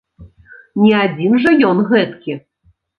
Не адзін жа ён гэткі!